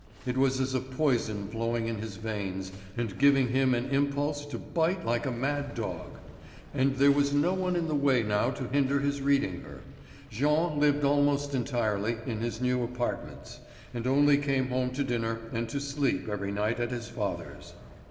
It was as a poison flowing in his veins and giving him an impulse to bite like a mad dog. And there was no one in the way now to hinder his reading her; Jean lived almost entirely in his new apartments, and only came home to dinner and to sleep every night at his father's.